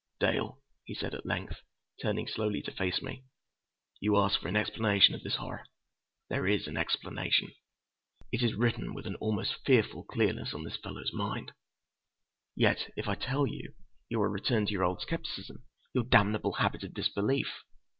"Dale," he said at length, turning slowly to face me, "you ask for an explanation of this horror? There is an explanation. It is written with an almost fearful clearness on this fellow's mind. Yet if I tell you, you will return to your old skepticism—your damnable habit of disbelief!"